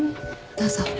どうぞ。